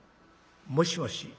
『もしもし。